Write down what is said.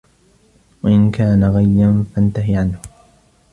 وَإِنْ كَانَ غَيًّا فَانْتَهِ عَنْهُ